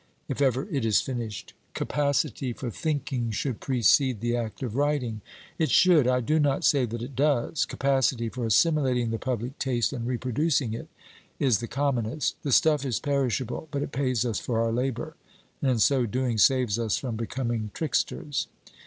If ever it is finished. Capacity for thinking should precede the act of writing. It should; I do not say that it does. Capacity for assimilating the public taste and reproducing it, is the commonest. The stuff is perishable, but it pays us for our labour, and in so doing saves us from becoming tricksters.